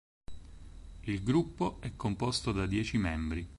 Il gruppo è composto da dieci membri.